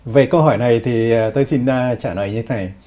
về câu hỏi này thì tôi xin trả lời như thế này